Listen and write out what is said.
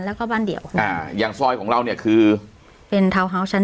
แล้วก็บ้านเดียวอ่าอย่างซอยของเราเนี้ยคือเป็นชั้น